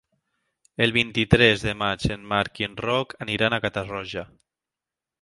El vint-i-tres de maig en Marc i en Roc aniran a Catarroja.